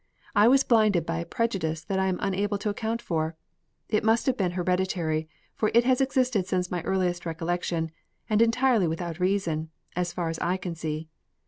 I was blinded by a prejudice that I am unable to account for. It must have been hereditary, for it has existed since my earliest recollection, and entirely without reason, as far as I can see.